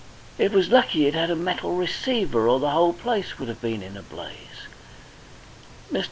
It was lucky it had a metal receiver, or the whole place would have been in a blaze. Mr.